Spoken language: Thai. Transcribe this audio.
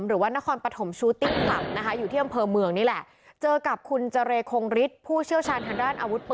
หรือว่านครปฐมชูติ๊กหลับนะคะ